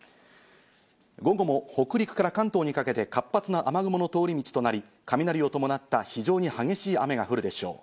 午後も北陸から関東にかけて活発な雨雲の通り道となり、雷を伴った非常に激しい雨が降るでしょう。